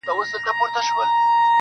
o اجل چي راسي، وخت نه غواړي!